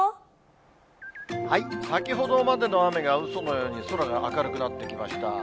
先ほどまでの雨がうそのように、空が明るくなってきました。